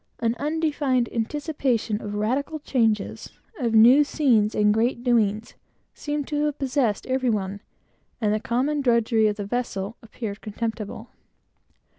An undefined anticipation of radical changes, of new scenes, and great doings, seemed to have possessed every one, and the common drudgery of the vessel appeared contemptible.